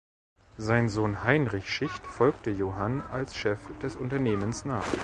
Sein Sohn Heinrich Schicht folgte Johann als Chef des Unternehmens nach.